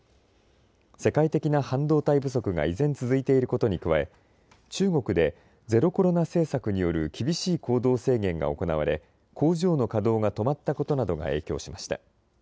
世界的な半導体不足が依然、続いていることに加え中国でゼロコロナ政策による厳しい行動制限が行われ工場の稼働が止まったことなどが影響しました。